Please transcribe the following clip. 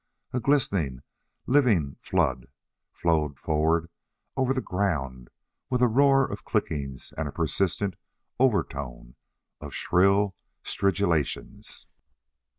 A glistening, living flood flowed forward over the ground with a roar of clickings and a persistent overtone of shrill stridulations.